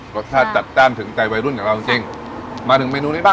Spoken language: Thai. รสชาติจัดจ้านถึงใจวัยรุ่นอย่างเราจริงจริงมาถึงเมนูนี้บ้าง